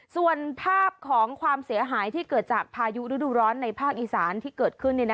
ส่วนภาพของความเสียหายที่เกิดจากพายุฤดูร้อนในภาคอีสานที่เกิดขึ้น